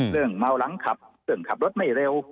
เรื่องเมาหลังขับเรื่องขับรถไม่เร็ว